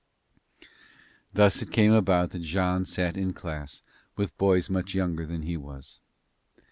Thus it came about that Jean sat in class with boys much younger than he was.